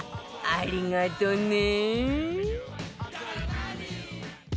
ありがとね